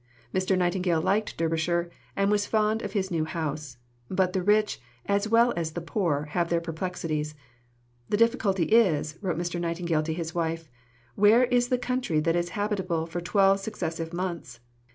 Mr. Nightingale liked Derbyshire, and was fond of his new house; but the rich, as well as the poor, have their perplexities. "The difficulty is," wrote Mr. Nightingale to his wife, "where is the county that is habitable for twelve successive months?"